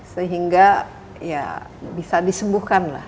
sehingga bisa disembuhkan